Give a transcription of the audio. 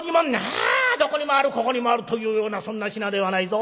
あどこにもあるここにもあるというようなそんな品ではないぞ。